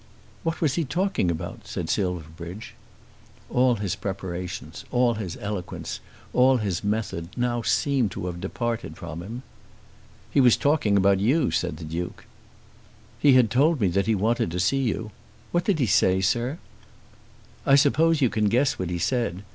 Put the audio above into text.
"What was he talking about?" said Silverbridge. All his preparations, all his eloquence, all his method, now seemed to have departed from him. "He was talking about you," said the Duke. "He had told me that he wanted to see you. What did he say, sir?" "I suppose you can guess what he said.